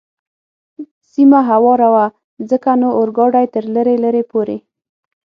سیمه هواره وه، ځکه نو اورګاډی تر لرې لرې پورې.